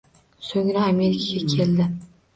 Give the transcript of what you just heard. So‘ngra Amerika keldi.